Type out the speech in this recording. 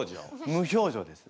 無表情です。